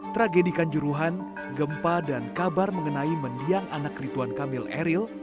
tragedikan juruhan gempa dan kabar mengenai mendiang anak rituan kamil eril